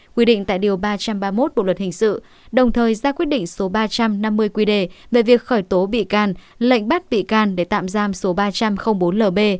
quy định tại điều ba trăm ba mươi một bộ luật hình sự đồng thời ra quyết định số ba trăm năm mươi qd về việc khởi tố bị can lệnh bắt bị can để tạm giam số ba trăm linh bốn lb